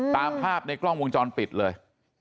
ตามภาพในกล้องวงจรปิดเลย